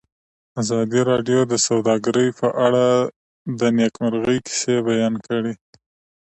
ازادي راډیو د سوداګري په اړه د نېکمرغۍ کیسې بیان کړې.